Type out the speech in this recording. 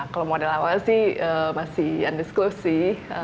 kalau model awal sih masih undesclosed sih